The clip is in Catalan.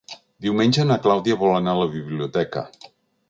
Diumenge na Clàudia vol anar a la biblioteca.